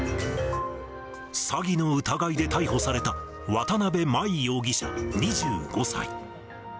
詐欺の疑いで逮捕された、渡辺真衣容疑者２５歳。